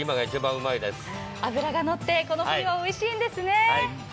脂が乗ってこの冬が一番おいしいんですね。